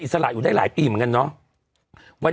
นี่แต่ไปดูว่าคุณเอกขวัญกลับช่องเจ็ด